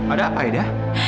ada apa aida